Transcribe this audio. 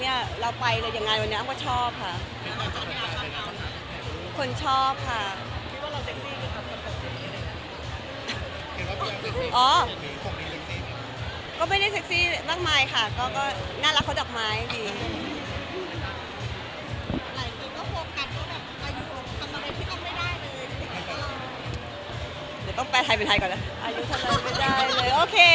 เดี๋ยวก็ไปไทยเป็นไทยก่อนแล้วอ่ายังทำอะไรไม่ได้เลยโอเค